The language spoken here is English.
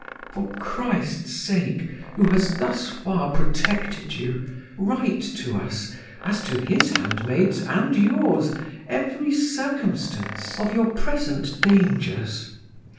For Christ's sake, who has thus far protected you, write to us, as to His handmaids and yours, every circumstance of your present dangers.